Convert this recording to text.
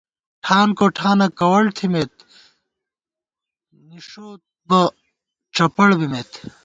ٹھان کوٹھانہ کوَڑ تھِمېت نِݭوتبہ ڄپَڑ بِمېت